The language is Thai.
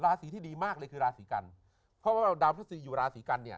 ราศีที่ดีมากเลยคือราศีกัน